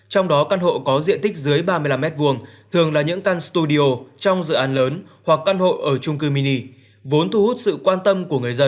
trong đó căn hộ có diện tích dưới ba mươi năm m hai